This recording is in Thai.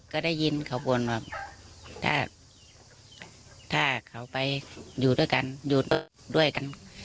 ก็ได้ยินเขาบอกว่าถ้าเขาไปอยู่ด้วยกัน